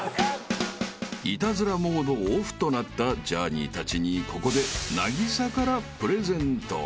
［イタズラモードオフとなったジャーニーたちにここで凪咲からプレゼント］